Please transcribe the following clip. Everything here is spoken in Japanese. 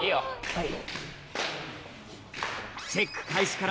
はい。